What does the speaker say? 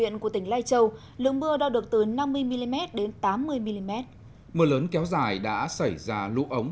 hiện của tỉnh lai châu lượng mưa đo được từ năm mươi mm đến tám mươi mm mưa lớn kéo dài đã xảy ra lũ ống